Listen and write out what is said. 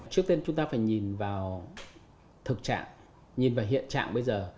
trước tiên chúng ta phải nhìn vào thực trạng nhìn vào hiện trạng bây giờ